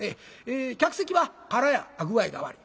「客席は空や」具合が悪い。